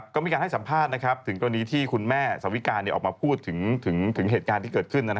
ก็มีการให้สัมภาษณ์ถึงกรณีที่คุณแม่สวิการออกมาพูดถึงเหตุการณ์ที่เกิดขึ้น